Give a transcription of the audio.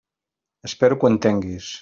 Espero que ho entenguis.